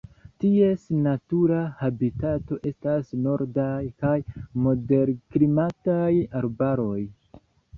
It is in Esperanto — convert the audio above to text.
Ties natura habitato estas nordaj kaj moderklimataj arbaroj.